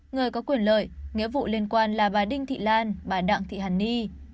người có quyền lợi nghĩa vụ liên quan là bà đinh thị lan bà đặng thị hàn ni